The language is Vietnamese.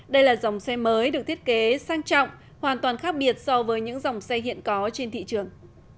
đây là dòng xe mới được thiết kế sang trọng hoàn toàn khác biệt so với những dòng xe hiện có trên thị trường